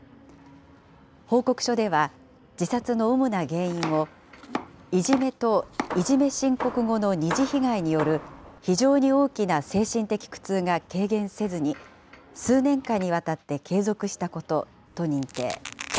報告書では、自殺の主な原因を、いじめと、いじめ申告後の二次被害による非常に大きな精神的苦痛が軽減せずに、数年間にわたって継続したことと認定。